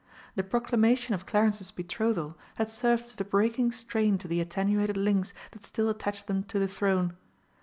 The proclamation of Clarence's betrothal had served as the breaking strain to the attenuated links that still attached them to the Throne.